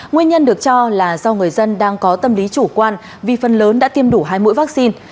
nguyên nhân được cho là do người dân đang có tâm lý chủ quan vì phần lớn đã tiêm đủ hai mũi vaccine